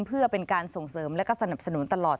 เพื่อเป็นการส่งเสริมและก็สนับสนุนตลอด